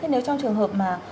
thế nếu trong trường hợp mà